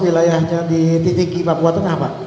wilayahnya di titiki papua tengah pak